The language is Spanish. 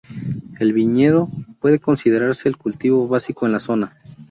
El viñedo puede considerarse el cultivo básico en la zona.